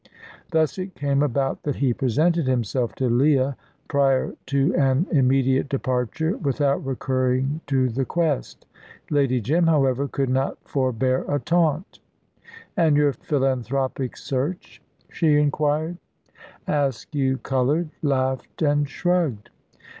Thus it came about that he presented himself to Leah, prior to an immediate departure, without recurring to the quest. Lady Jim, however, could not forbear a taunt. "And your philanthropic search?" she inquired. Askew coloured, laughed, and shrugged.